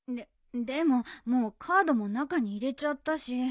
ででももうカードも中に入れちゃったし。